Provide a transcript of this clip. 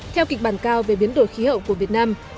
theo kịch bản cao về biến đổi khí hậu của việt nam